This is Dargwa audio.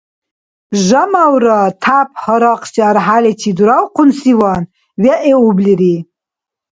Жамавра, тяп гьарахъси архӀяличи дуравхъунсиван, вегӀиублири.